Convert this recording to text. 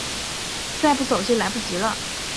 再不走就来不及了